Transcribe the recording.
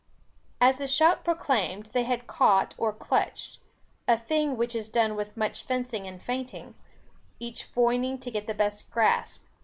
As the shout proclaimed, they had caught or clutched; a thing which is done with much fencing and feinting, each foining to get the best grasp.